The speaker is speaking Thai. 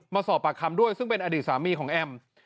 มาสอบปากคำด้วยซึ่งเป็นอดีตสามีของแอม